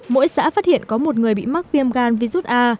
mỗi xã phát hiện có một người bị mắc viêm gan virus a